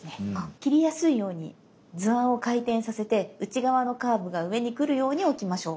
切りやすいように図案を回転させて内側のカーブが上に来るように置きましょう。